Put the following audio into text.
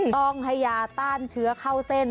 ต้องให้ยาต้านเชื้อเข้าเส้น